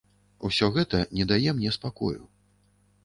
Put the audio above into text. Усё гэта не дае мне спакою.